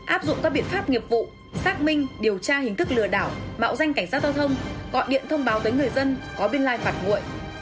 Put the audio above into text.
áp dụng các biện pháp nghiệp vụ xác minh điều tra hình thức lừa đảo mạo danh cảnh sát giao thông gọi điện thông báo tới người dân có biên lai phạt nguội